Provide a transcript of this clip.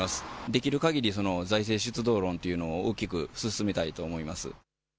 できるかぎり財政出動論というのを大きく進めたいと思います。